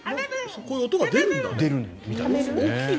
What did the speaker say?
こういう音が出るんだね。